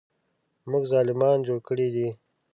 موږ ظالمان جوړ کړي دي.